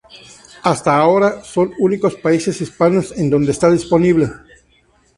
Hasta ahora, son únicos países hispanos en donde está disponible.